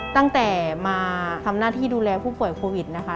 ตั้งแต่มาทำหน้าที่ดูแลผู้ป่วยโควิดนะคะ